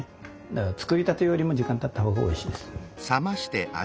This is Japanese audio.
だから作りたてよりも時間たった方がおいしいです。